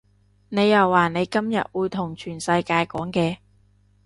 你又話你今日會同全世界講嘅